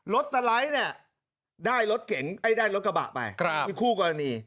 รถสไลด์เนี่ยได้รถเก่งเอ้ยได้รถกระบะไป